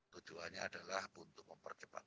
tujuannya adalah untuk mempercepat